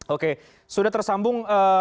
oke sudah tersambung